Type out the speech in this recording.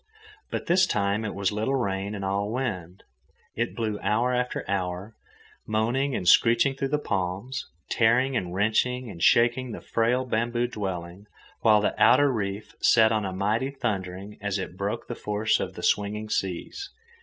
But this time it was little rain and all wind. It blew hour after hour, moaning and screeching through the palms, tearing and wrenching and shaking the frail bamboo dwelling, while the outer reef set up a mighty thundering as it broke the force of the swinging seas.